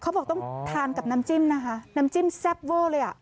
เขาบอกต้องทานกับน้ำจิ้มน้ำจิ้มแซบเวา์เลย